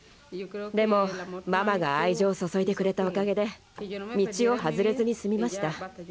でもママが愛情を注いでくれたおかげで道を外れずに済みました。